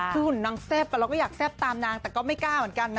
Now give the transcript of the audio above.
คือหุ่นนางแซ่บแต่เราก็อยากแซ่บตามนางแต่ก็ไม่กล้าเหมือนกันนะ